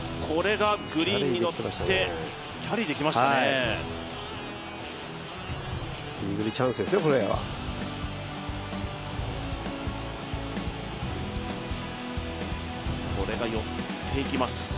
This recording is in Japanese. これが寄っていきます。